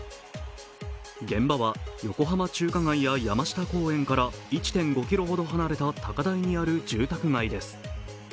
現場は横浜中華街や山下公園から１．５ｋｍほど離れた高台にある住宅街です。